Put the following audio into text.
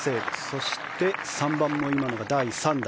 そして３番も今のが第３打。